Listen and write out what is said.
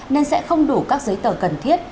nên sẽ không đủ các giấy tờ cần thiết